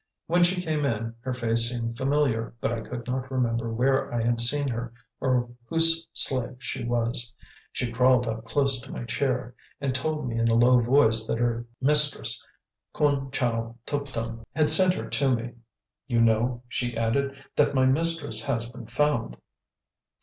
When she came in, her face seemed familiar, but I could not remember where I had seen her or whose slave she was. She crawled up close to my chair, and told me in a low voice that her mistress, Khoon Chow Tuptim, had sent her to me. "You know," she added, "that my mistress has been found."